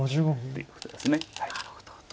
なるほど。